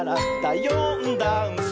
「よんだんす」